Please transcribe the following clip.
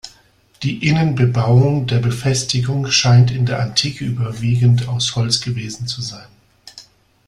Die Innenbebauung der Befestigung scheint in der Antike überwiegend aus Holz gewesen zu sein.